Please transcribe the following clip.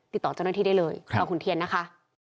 ติดต่อเจ้าหน้าที่ได้เลยรอคุณเทียนนะคะ